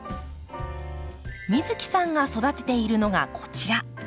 美月さんが育てているのがこちら。